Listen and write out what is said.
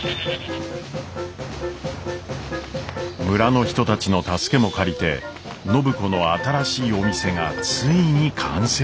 村の人たちの助けも借りて暢子の新しいお店がついに完成しました。